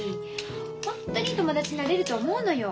ホントにいい友達になれると思うのよ。